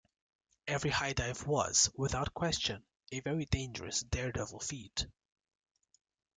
Every high dive was, without question, a very dangerous daredevil feat.